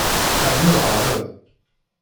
Rnu ɛreḍ.